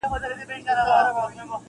مگر هېر به وایه څنگه ستا احسان کړم -